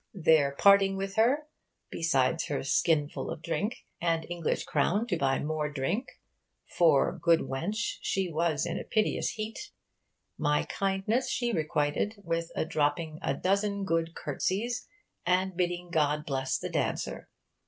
There parting with her (besides her skinfull of drinke), and English crowne to buy more drinke; for, good wench, she was in a pittious heate; my kindness she requited with dropping a dozen good courtsies, and bidding God blesse the dauncer.